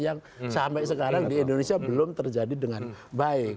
yang sampai sekarang di indonesia belum terjadi dengan baik